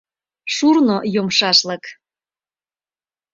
Шурно йомшашлык.